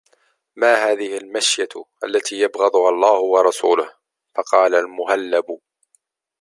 مَا هَذِهِ الْمِشْيَةُ الَّتِي يُبْغِضُهَا اللَّهُ وَرَسُولُهُ ؟ فَقَالَ الْمُهَلَّبُ